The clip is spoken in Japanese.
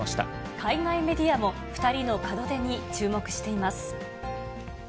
海外メディアも２人の門出に注目しています。